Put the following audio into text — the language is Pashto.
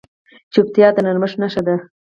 چوپتیا، د نرمښت نښه ده.